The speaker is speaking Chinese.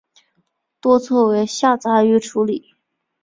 多做为下杂鱼处理。